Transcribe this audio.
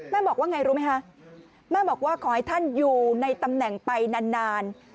บอกว่าไงรู้ไหมคะแม่บอกว่าขอให้ท่านอยู่ในตำแหน่งไปนาน